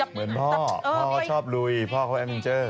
เหมือนพ่อพ่อก็ชอบลุยพ่อเขาแอดมินเจอร์